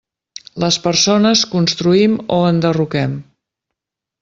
Les persones construïm o enderroquem.